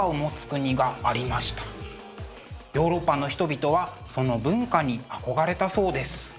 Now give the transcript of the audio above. ヨーロッパの人々はその文化に憧れたそうです。